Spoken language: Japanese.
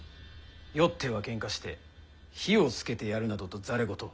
酔ってはケンカして「火を付けてやる」などとざれ言を。